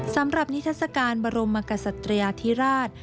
สำหรับนิทัศกาลบรมกษัตริยาธิราช